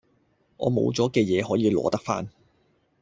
我冇咗嘅嘢可以攞得返